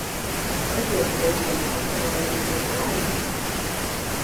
Sakiet, prezident Patel, vai jums ir bērni?